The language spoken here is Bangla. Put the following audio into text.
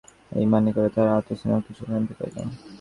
এই মনে করিয়া তাঁহার আহত স্নেহ কিছু শান্তি পাইল।